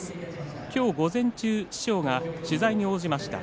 今日午前中、師匠が取材に応じました。